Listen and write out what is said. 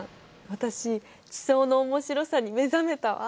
私地層の面白さに目覚めたわ。